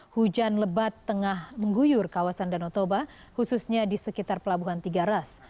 hujan lebat tengah mengguyur kawasan danau toba khususnya di sekitar pelabuhan tiga ras